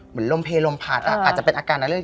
เหมือนลมเพลลมพัดอาจจะเป็นอาการอะไร